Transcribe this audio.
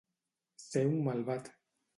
Ser un malvat.